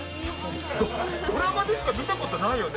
ドラマでしか見たことないよね。